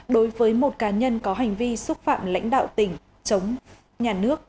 đối với một cá nhân có hành vi xúc phạm lãnh đạo tỉnh chống nhà nước